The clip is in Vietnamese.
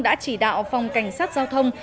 đã chỉ đạo phòng cảnh sát giao thông